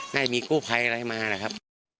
ไม่มีกู้ภัยอะไรมานะครับ